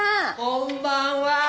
こんばんは。